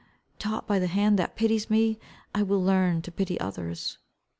Taught by the hand that pities me, I will learn to pity others."